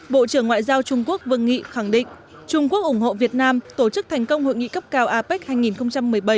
bộ trưởng ngoại giao trung quốc vương nghị khẳng định trung quốc ủng hộ việt nam tổ chức thành công hội nghị cấp cao apec hai nghìn một mươi bảy